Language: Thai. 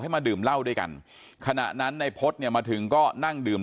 มาดื่มเหล้าด้วยกันขณะนั้นนายพฤษเนี่ยมาถึงก็นั่งดื่ม